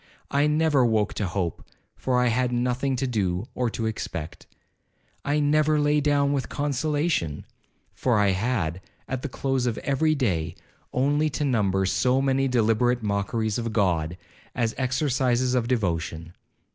I never woke to hope, for I had nothing to do or to expect. I never lay down with consolation, for I had, at the close of every day, only to number so many deliberate mockeries of God, as exercises of devotion.